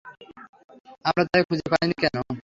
আমরা তাকে খুঁজে পাইনি, কেন?